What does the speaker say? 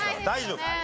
大丈夫。